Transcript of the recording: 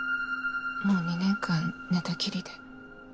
もう２年間寝たきりで。